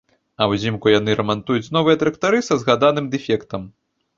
А узімку яны рамантуюць новыя трактары са згаданым дэфектам.